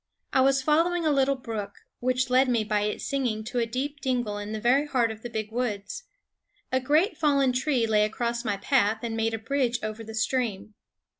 I was following a little brook, which led me by its singing to a deep dingle in the very heart of the big woods. A great fallen tree lay across my path and made a bridge over the stream.